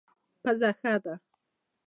پزه ښه ده.